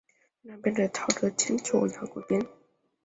通常鞭子是套着铅球或羊骨的鞭。